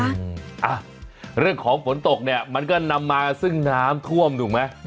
อ่ะเรื่องของฝนตกเนี่ยมันก็นำมาซึ่งน้ำท่วมถูกไหม